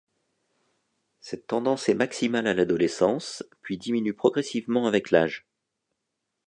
Cette tendance est maximale à l'adolescence, puis diminue progressivement avec l'âge.